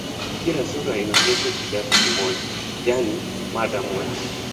Kila sura inahusu "kidato" kimoja, yaani mada moja.